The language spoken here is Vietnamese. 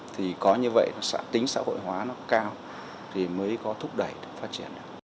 thì có như vậy tính xã hội hóa nó cao thì mới có thúc đẩy phát triển